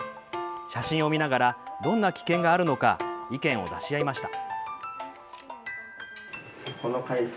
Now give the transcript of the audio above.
写真を見ながらどんな危険があるのか意見を出し合いました。